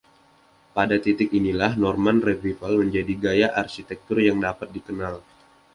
Pada titik inilah Norman Revival menjadi gaya arsitektur yang dapat dikenal.